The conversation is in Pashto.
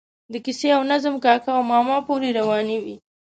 د کیسې او نظم کاکا او ماما پورې روانې وي.